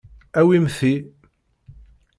Awim ti.